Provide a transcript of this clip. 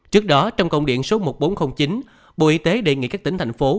trước đó trong công điện số một nghìn bốn trăm linh chín bộ y tế đề nghị các tỉnh thành phố